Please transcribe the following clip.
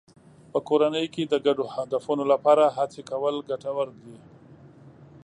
په کورنۍ کې د ګډو هدفونو لپاره هڅې کول ګټور دي.